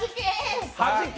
はじけ。